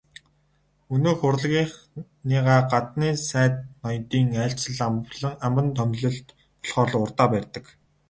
Өнөөх урлагийнхныгаа гаднын сайд ноёдын айлчлал, албан томилолт болохоор л урдаа барьдаг.